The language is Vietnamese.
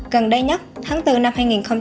gần đây nhất tháng bốn năm hai nghìn sáu